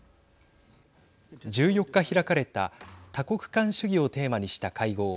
１４日開かれた多国間主義をテーマにした会合。